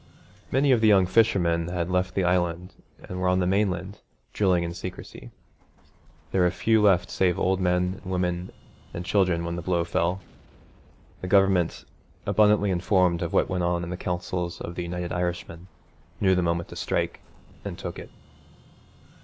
Many of the young fishermen had left the Island and were on the mainland, drilling in secrecy. There were few left save old men and women and children when the blow fell. The Government, abundantly informed of what went on in the councils of the United Irishmen, knew the moment to strike, and took it.